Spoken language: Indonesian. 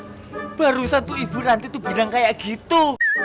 semroh barusan tuh ibu nanti tuh bilang kayak gitu